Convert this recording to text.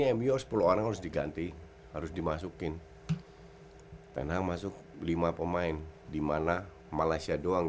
emio sepuluh orang harus diganti harus dimasukin tenang masuk lima pemain dimana malaysia doang